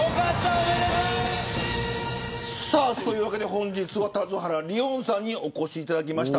本日は田津原理音さんにお越しいただきました。